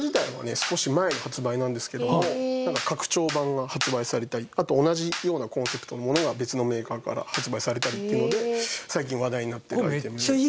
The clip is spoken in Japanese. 少し前の発売なんですけども拡張版が発売されたりあと同じようなコンセプトのものが別のメーカーから発売されたりっていうので最近話題になってるアイテム。